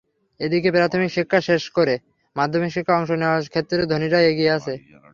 এদিকে প্রাথমিক শিক্ষা শেষ করে মাধ্যমিক শিক্ষায় অংশ নেওয়ার ক্ষেত্রে ধনীরাই এগিয়ে আছে।